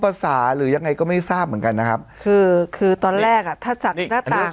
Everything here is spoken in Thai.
ภาษาหรือยังไงก็ไม่ทราบเหมือนกันนะครับคือคือตอนแรกอ่ะถ้าจากหน้าต่าง